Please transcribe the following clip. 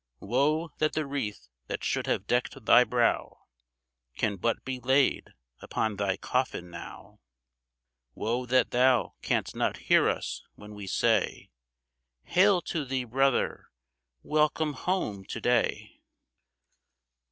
Woe that the wreath that should have decked thy brow, Can but be laid upon thy coffin now. Woe that thou canst not hear us when we say, — "Hail to thee, brother, welcome home to day!